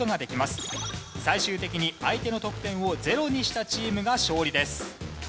最終的に相手の得点をゼロにしたチームが勝利です。